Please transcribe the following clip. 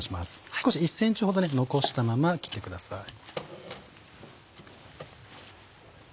少し１ｃｍほど残したまま切ってください。